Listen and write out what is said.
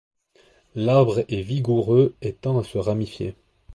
L'arbre est vigoureux et tend à se ramifier.